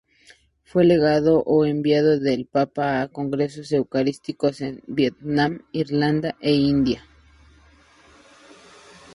Fue Legado o enviado del Papa a congresos eucarísticos en Vietnam, Irlanda e India.